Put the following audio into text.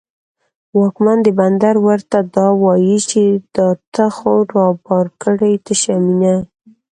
واکمن د بندر ورته دا وايي، چې دا تا خو رابار کړې تشه مینه